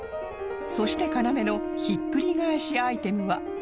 そして要のひっくり返しアイテムは